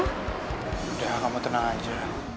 udah kamu tenang aja